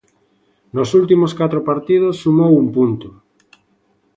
Nos últimos catro partidos sumou un punto.